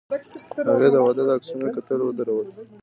هغې د واده د عکسونو کتل ودرول.